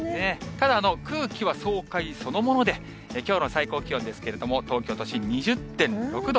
ただ、空気は爽快そのもので、きょうの最高気温ですけれども、東京都心２０．６度。